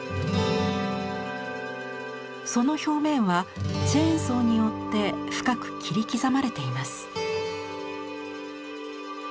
その表面はチェーンソーによって深く切り刻まれています。